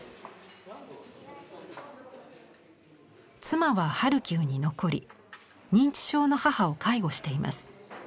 妻はハルキウに残り認知症の母を介護しています。